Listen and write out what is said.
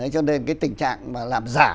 cho nên cái tình trạng mà làm giả